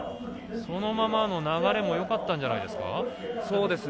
そのままの流れもよかったんじゃないですか。